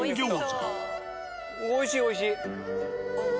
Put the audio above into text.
おいしいおいしい。